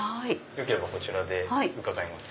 よければこちらで伺います。